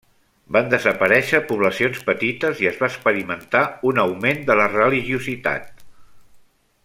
Van desaparèixer poblacions petites i es va experimentar un augment de la religiositat.